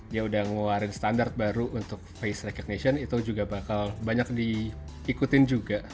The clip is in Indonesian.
dia udah ngeluarin standar baru untuk face recognition itu juga bakal banyak diikutin juga